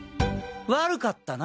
悪かったな。